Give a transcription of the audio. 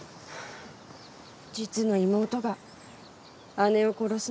実の妹が姉を殺すなんて。